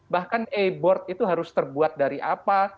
bahkan e board itu harus terbuat dari apa